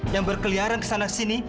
yang berkeliaran kesana sini